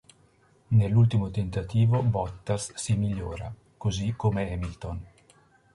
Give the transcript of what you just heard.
Nell'ultimo tentativo Bottas si migliora, così come Hamilton.